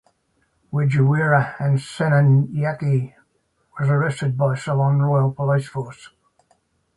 Wijeweera and Senanayake was arrested by Ceylon Royal Police Force.